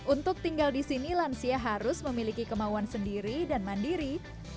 untuk tinggal di sini lansia harus memiliki kemauan sendiri dan mandiri